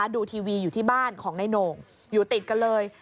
ดูทีวีอยู่ที่บ้านของนายโหน่งอยู่ติดกันเลย